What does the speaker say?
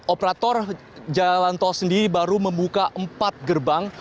operator jalan tol sendiri baru membuka empat gerbang